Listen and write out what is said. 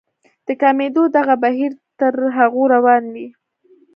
د کمېدو دغه بهير تر هغو روان وي.